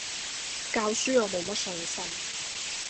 教書我冇乜信心